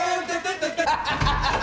ハハハ！